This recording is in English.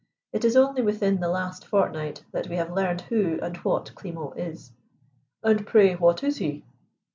It is only within the last fortnight that we have learned who and what 'Klimo' is." "And pray what is he?"